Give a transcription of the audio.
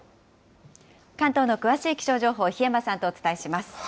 関東の詳しい気象情報、檜山さんとお伝えします。